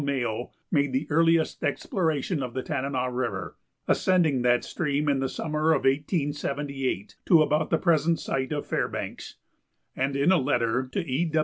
Mayo, made the earliest exploration of the Tanana River, ascending that stream in the summer of 1878 to about the present site of Fairbanks; and in a letter to E.